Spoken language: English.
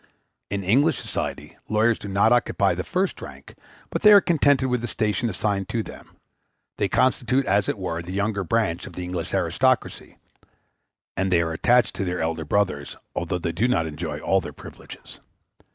In English society lawyers do not occupy the first rank, but they are contented with the station assigned to them; they constitute, as it were, the younger branch of the English aristocracy, and they are attached to their elder brothers, although they do not enjoy all their privileges.